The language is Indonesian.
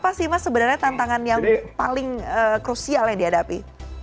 apa sebenarnya tantangan yang paling krusial yang dihadapi